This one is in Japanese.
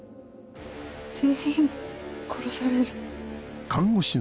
全員殺される。